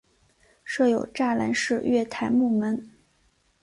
设有栅栏式月台幕门。